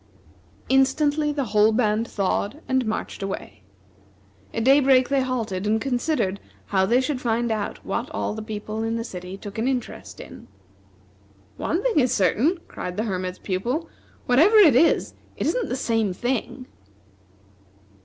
Instantly, the whole band thawed and marched away. At daybreak they halted, and considered how they should find out what all the people in the city took an interest in. "One thing is certain," cried the Hermit's Pupil, "whatever it is, it isn't the same thing."